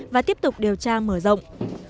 và tiếp tục điều tra mở rộng